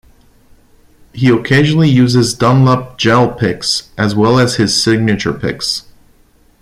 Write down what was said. He occasionally uses Dunlop Gel picks, as well as his signature picks.